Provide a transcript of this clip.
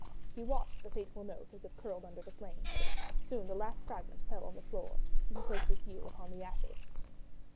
He watched the fateful note, as it curled under the flame. Soon the last fragment fell on the floor, and he placed his heel upon the ashes.